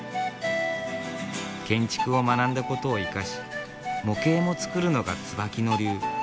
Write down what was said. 建築を学んだことを生かし模型も作るのが椿野流。